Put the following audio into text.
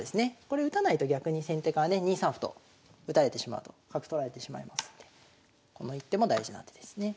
これ打たないと逆に先手側ね２三歩と打たれてしまうと角取られてしまいますんでこの一手も大事な手ですね。